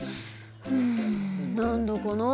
うん何だかな。